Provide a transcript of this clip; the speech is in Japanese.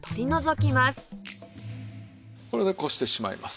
これでこしてしまいます。